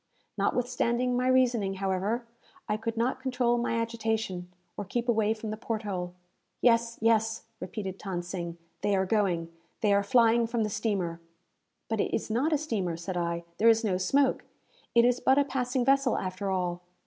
Notwithstanding my reasoning, however, I could not control my agitation, or keep away from the port hole. "Yes, yes," repeated Than Sing, "they are going. They are flying from the steamer!" "But it is not a steamer," said I. "There is no smoke. It is but a passing vessel, after all."